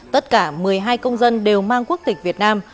tất cả một mươi hai công dân đều mang quốc tịch việt nam